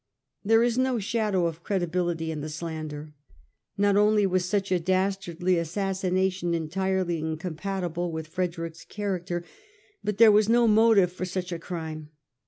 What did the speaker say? There is no shadow of credibility in the slander. Not only was such a dastardly assassination entirely incompatible with Frederick's character, but there was no motive for such a crime.